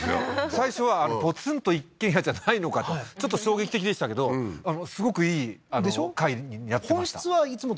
最初はポツンと一軒家じゃないのかとちょっと衝撃的でしたけどすごくいい回になってました